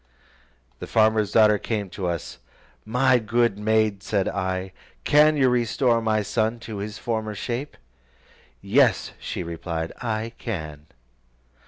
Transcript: The farmer's daughter then came to us: "My good maid," said I, "can you restore my son to his former shape?" "Yes," she replied, "I can."